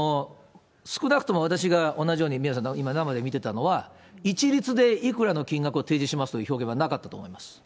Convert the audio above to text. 少なくとも私が同じように、宮根さんと今、生で見てたのは、一律でいくらの金額を提示しますという表現はなかったと思います。